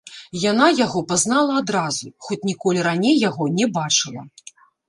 Яна яго пазнала адразу, хоць ніколі раней яго не бачыла.